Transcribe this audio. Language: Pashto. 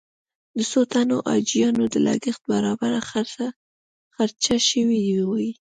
د څو تنو حاجیانو د لګښت برابر خرچه شوې وي.